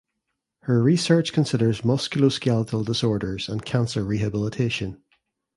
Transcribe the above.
Her research considers musculoskeletal disorders and cancer rehabilitation.